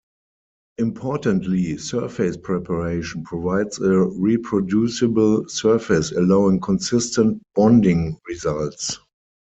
Importantly, surface preparation provides a reproducible surface allowing consistent bonding results.